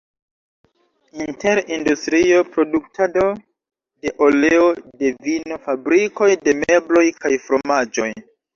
Inter industrio, produktado de oleo, de vino, fabrikoj de mebloj kaj fromaĝoj.